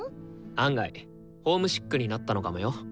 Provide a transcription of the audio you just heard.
案外ホームシックになったのかもよ。